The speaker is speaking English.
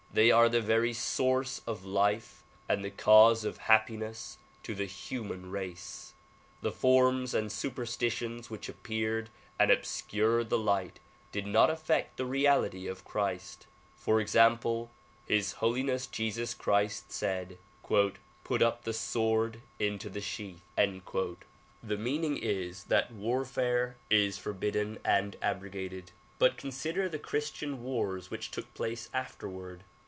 They are the very source of life and the cause of happiness to the human race. The forms and superstitions which appeared and obscured the light did not affect the reality of Christ. For example. His Holiness Jesus Christ said "Put up the sword into the sheath." The meaning is DISCOURSES DELIVERED IX CHICAGO 83 that warfare is forbidden and abrogated ; but consider the Christian wars which took place afterward.